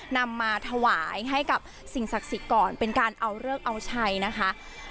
นำมาถวายให้กับสิ่งศักดิ์สิทธิ์ก่อนเป็นการเอาเลิกเอาชัยนะคะ